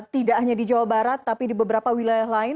tidak hanya di jawa barat tapi di beberapa wilayah lain